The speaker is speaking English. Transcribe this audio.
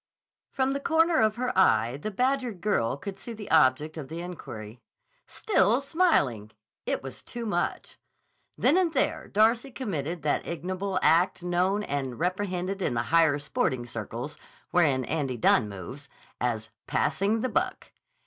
From the corner of her eye the badgered girl could see the object of the inquiry. Still smiling! It was too much. Then and there Darcy committed that ignoble act known and reprehended in the higher sporting circles, wherein Andy Dunne moves, as "passing the buck."